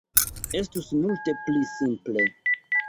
Estus multe pli simple.